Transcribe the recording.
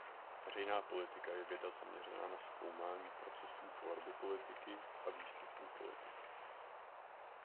Veřejná politika je věda zaměřená na zkoumání procesů tvorby politiky a výstupů politiky.